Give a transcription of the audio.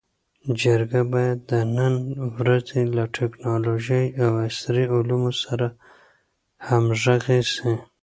جرګه باید د نن ورځې له ټکنالوژۍ او عصري علومو سره همږغي سي.